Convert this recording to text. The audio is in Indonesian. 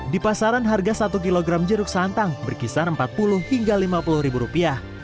di pasaran harga satu kg jeruk santang berkisar rp empat puluh hingga rp lima puluh